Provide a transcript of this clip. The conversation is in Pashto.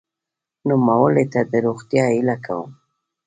نوموړي ته د روغتیا هیله کوم.